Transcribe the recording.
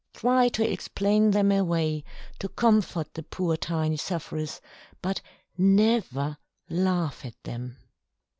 Try to explain them away, to comfort the poor tiny sufferers, but never laugh at them.